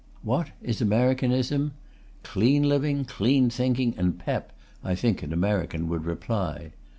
What is Americanism? "Clean living, clean thinking, and pep," I think an American would reply.